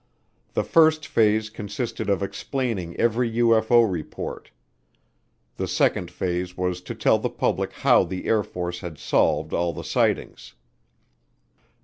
The first phase consisted of explaining every UFO report. The second phase was to tell the public how the Air Force had solved all the sightings.